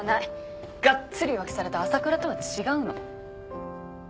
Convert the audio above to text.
がっつり浮気された朝倉とは違うの。